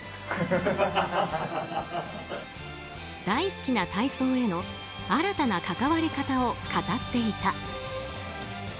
大好きな体操への新たな関わり方を語っていた。